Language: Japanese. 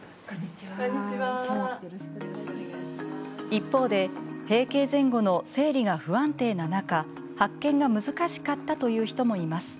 一方で、閉経前後の生理が不安定な中発見が難しかったという人もいます。